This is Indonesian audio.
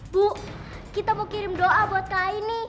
bu kita mau kirim doa buat kak aini